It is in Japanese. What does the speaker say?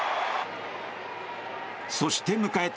そして迎えた